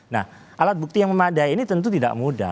nah alat bukti yang memadai ini tentu tidak mudah